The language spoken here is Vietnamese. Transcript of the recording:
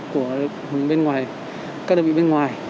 của các đơn vị bên ngoài